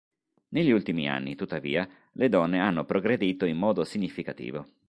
Negli ultimi anni, tuttavia, le donne hanno progredito in modo significativo.